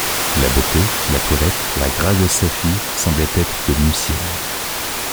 La beauté, la toilette, la grâce de sa fille, semblaient être devenues siennes.